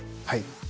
はい。